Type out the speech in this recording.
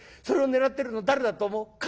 それを狙ってるの誰だと思う？